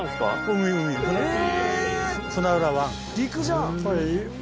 陸じゃん。